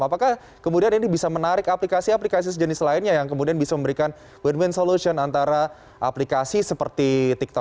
apakah kemudian ini bisa menarik aplikasi aplikasi sejenis lainnya yang kemudian bisa memberikan win win solution antara aplikasi seperti tiktok